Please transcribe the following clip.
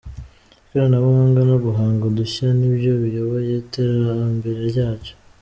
Ikoranabuhanga no guhanga udushya ni byo biyoboye iterambere ryacyo.